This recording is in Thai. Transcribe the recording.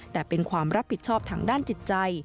แต่เป็นความรับผิดชอบทางด้านจิตใจ